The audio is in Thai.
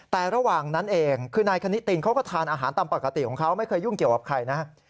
แต่ระหว่างนั้นเองคือนายคณิตินเขาก็ทานอาหารตามปกติของเขาไม่เคยยุ่งเกี่ยวกับใครนะครับ